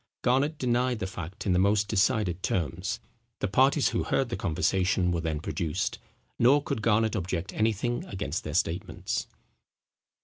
Garnet denied the fact in the most decided terms. The parties who heard the conversation were then produced: nor could Garnet object anything against their statements.